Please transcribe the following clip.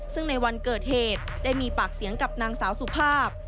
ซึ่งในวันเกิดเหตุได้มีปากเสียงกับนางสาวสุภาพ